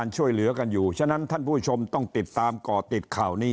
เพราะฉะนั้นท่านผู้ชมต้องติดตามก่อติดข่าวนี้